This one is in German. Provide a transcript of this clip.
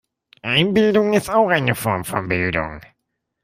Einbildung ist auch eine Form von Bildung.